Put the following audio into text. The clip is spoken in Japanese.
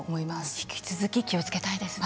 引き続き気を付けたいですね。